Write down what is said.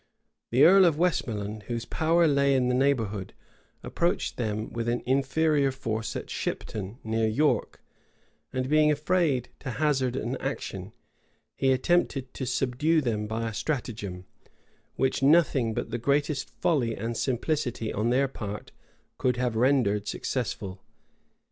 The earl of Westmoreland, whose power lay in the neighborhood, approached them with an inferior force at Shipton, near York; and being afraid to hazard an action, he attempted to subdue them by a stratagem, which nothing but the greatest folly and simplicity on their part could have rendered successful.